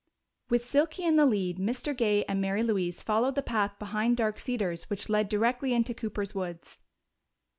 _ With Silky in the lead, Mr. Gay and Mary Louise followed the path behind Dark Cedars which led directly into Cooper's woods.